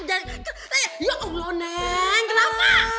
eh ya allah neng kenapa